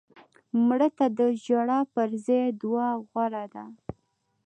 مړه ته د ژړا پر ځای دعا غوره ده